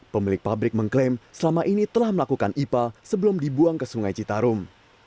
pemilik pabrik mengklaim selama ini telah melakukan ipal sebelum dibuang ke sungai citarum